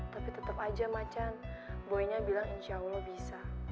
tapi tetep aja macan boynya bilang insya allah bisa